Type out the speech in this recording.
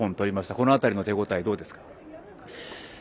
この辺りの手応えどうですか？